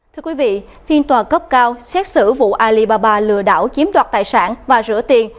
thưa quý vị phiên tòa cấp cao xét xử vụ alibaba lừa đảo chiếm đoạt tài sản và rửa tiền